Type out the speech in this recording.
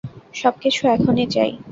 সবকিছু এখনি চাই।